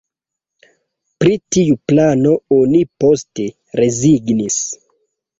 Pri tiu plano oni poste rezignis.